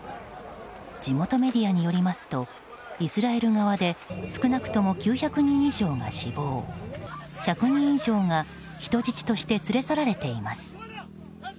地元メディアによりますとイスラエル側で少なくとも９００人以上が死亡１００人以上が人質として連れ去られています。